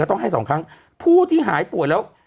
ต้องให้สองครั้งผู้ที่หายป่วยแล้ว